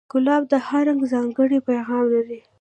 ګلاب د هر رنگ ځانګړی پیغام لري.